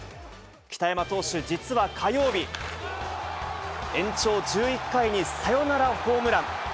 北山投手、実は火曜日、延長１１回にサヨナラホームラン。